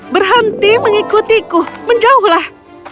berhenti mengikutiku menjauhlah